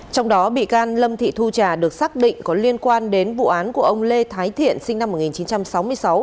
trong đó bị can lâm thị thu trà được xác định có liên quan đến vụ án của ông lê thái thiện sinh năm một nghìn chín trăm sáu mươi sáu